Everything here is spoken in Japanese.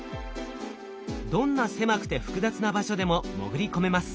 どんな狭くて複雑な場所でも潜り込めます。